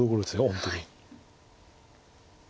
本当に。